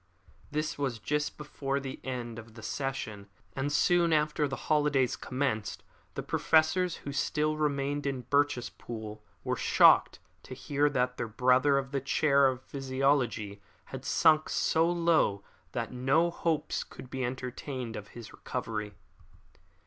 This was just before the end of the session and soon after the holidays commenced the professors who still remained in Birchespool were shocked to hear that their brother of the chair of physiology had sunk so low that no hopes could be entertained of his recovery.